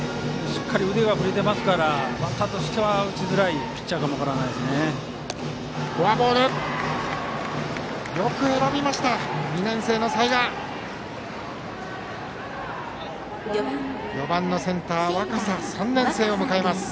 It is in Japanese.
しっかり腕が振れていますからバッターとしては打ちづらいピッチャーかもしれません。